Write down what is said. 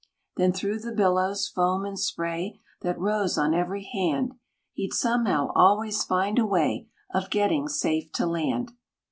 Then through the billows, foam, and spray, That rose on every hand, He'd, somehow, always find a way Of getting safe to land.